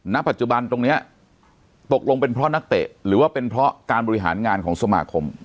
ณปัจจุบันตรงนี้ตกลงเป็นเพราะนักเตะหรือว่าเป็นเพราะการบริหารงานของสมาคม